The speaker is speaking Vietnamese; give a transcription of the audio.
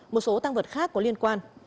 một số tăng vật khác có liên quan